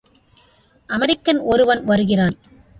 American ஒருவன் வருகிறான்.